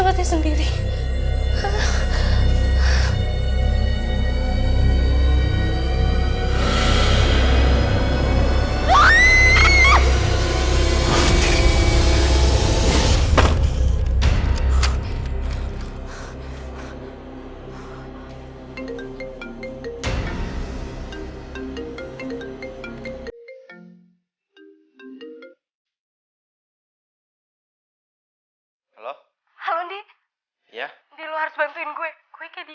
main disini gue ngelulur kuburan